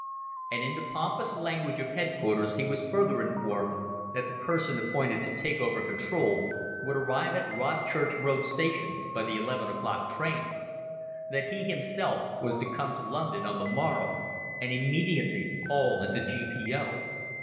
And in the pompous language of headquarters he was further informed that the person appointed to take over control would arrive at Rodchurch Road Station by the eleven o'clock train; that he himself was to come to London on the morrow, and immediately call at the G.P.O.